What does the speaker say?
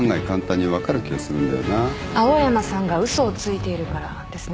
青山さんが嘘をついているからですね。